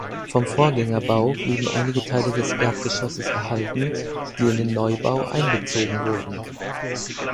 Vom Vorgängerbau blieben einige Teile des Erdgeschosses erhalten, die in den Neubau einbezogen wurden.